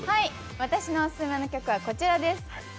私のおすすめの曲はこちらです。